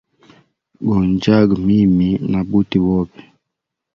Go njyaga mimi na buti bobe.